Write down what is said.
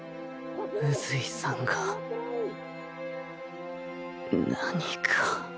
宇髄さんが何か